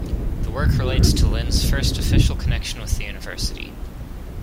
The work relates to Lin's first official connection with the university.